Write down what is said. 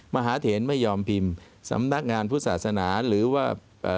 มหาเถนไม่ยอมพิมพ์สำนักงานพุทธศาสนาหรือว่าเอ่อ